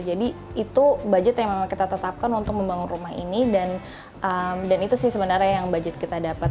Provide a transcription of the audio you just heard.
jadi itu budget yang memang kita tetapkan untuk membangun rumah ini dan itu sih sebenarnya yang budget kita dapat